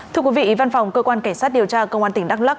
thưa quý vị văn phòng cơ quan cảnh sát điều tra công an tỉnh đắk lắc